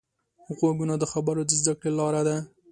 غوږونه د خبرو د زده کړې لاره ده